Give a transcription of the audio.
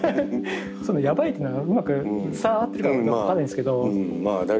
そのやばいってのがうまく伝わってるか分かんないんですけど。